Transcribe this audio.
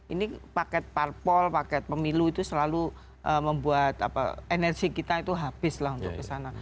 ini paket parpol paket pemilu itu selalu membuat energi kita itu habis lah untuk kesana